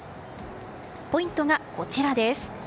ポイントが、こちらです。